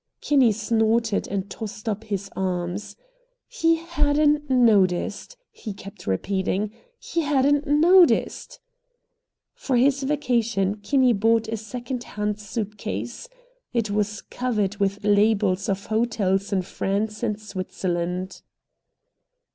Kinney snorted and tossed up his arms. "He hadn't noticed!" he kept repeating. "He hadn't noticed!" For his vacation Kinney bought a second hand suit case. It was covered with labels of hotels in France and Switzerland.